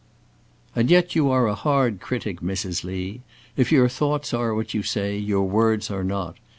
"And yet you are a hard critic, Mrs. Lee. If your thoughts are what you say, your words are not.